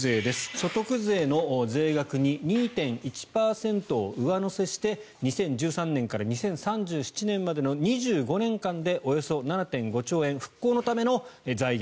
所得税の税額に２．１％を上乗せして２０１３年から２０３７年までの２５年間でおよそ７．５兆円復興のための財源